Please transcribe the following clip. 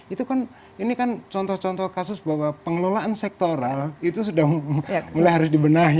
itu kan ini kan contoh contoh kasus bahwa pengelolaan sektoral itu sudah mulai harus dibenahi